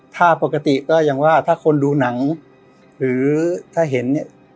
ถ้าปกติก็อย่างว่าถ้าคนดูหนังหรือถ้าเห็นเนี่ย